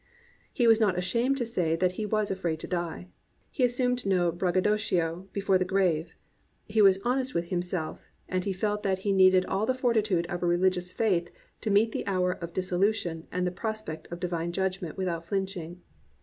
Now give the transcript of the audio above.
He was not ashamed to say that he was afraid to die. He as sumed no braggadocio before the grave. He was honest with himself, and he felt that he needed all the fortitude of a religious faith to meet the hour of dissolution and the prospect of divine judgment without flinching.